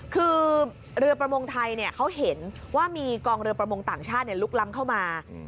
คือเรือประมงไทยเขาเห็นว่ามีกองเรือประมงต่างชาติลุกล้ำเข้ามา